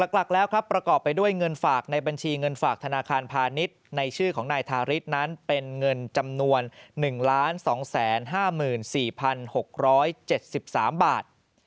หลักแล้วครับประกอบไปด้วยเงินฝากในบัญชีเงินฝากธนาคารพาณิชย์ในชื่อของนายทาริสนั้นเป็นเงินจำนวน๑๒๕๔๖๗๓บาท